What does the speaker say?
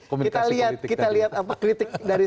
kita lihat kritik dari